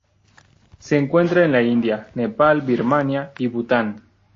Se encuentra en la India, Nepal, Birmania y Bután.